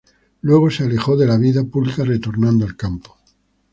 Luego, se alejó de la vida pública, retornando al campo.